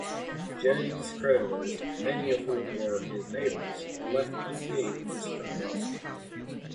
Jennings's creditors, many of whom were his neighbors, were left unpaid and disgruntled.